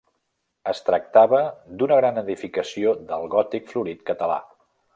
Es tractava d'una gran edificació del gòtic florit català.